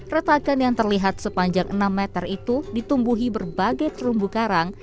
retakan yang terlihat sepanjang enam meter itu ditumbuhi berbagai terumbu karang